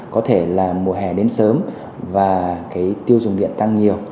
có thể là mùa hè đến sớm và cái tiêu dùng điện tăng nhiều